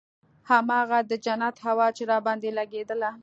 هماغه د جنت هوا چې راباندې لګېدله.